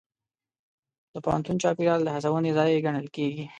د پوهنتون چاپېریال د هڅونې ځای ګڼل کېږي.